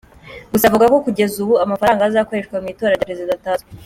Gusa avuga ko kugeza ubu amafaranga azakoreshwa mu itora rya Perezida atazwi.